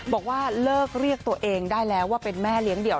บอกว่าเลิกเรียกตัวเองได้แล้วว่าเป็นแม่เลี้ยงเดี่ยว